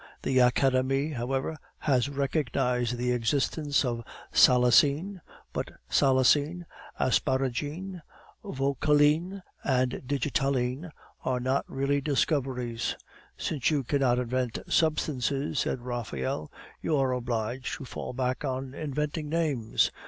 The Academie, however, has recognized the existence of salicine, but salicine, asparagine, vauqueline, and digitaline are not really discoveries " "Since you cannot invent substances," said Raphael, "you are obliged to fall back on inventing names."